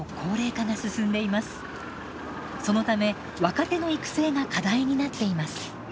そのため若手の育成が課題になっています。